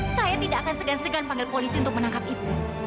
saya tidak akan segan segan panggil polisi untuk menangkap ibu